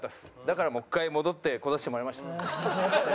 だからもう１回戻ってこざしてもらいました。